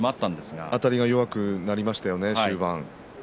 終盤あたりが弱くなりましたよね。